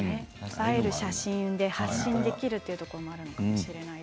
映える写真を発信できるということもあるかもしれません。